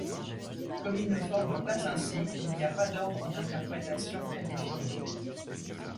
Comme ils ne forment pas un cycle, il n'y a pas d'ordre d'interprétation prédéfini.